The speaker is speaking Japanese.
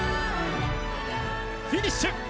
フィニッシュ